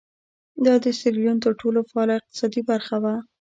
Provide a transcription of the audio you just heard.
دا د سیریلیون تر ټولو فعاله اقتصادي برخه وه.